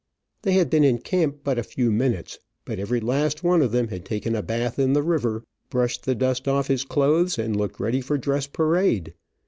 They had been in camp but a few minutes, but every last one of them had taken a bath in the river, brushed the dust off his clothes, and looked ready for dress parade.